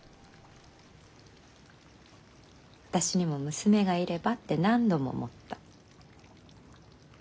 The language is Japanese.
私にも娘がいればって何度も思った。